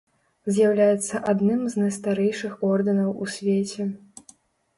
З'яўляецца адным з найстарэйшых ордэнаў у свеце.